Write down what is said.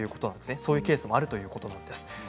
そういうケースもあるということです。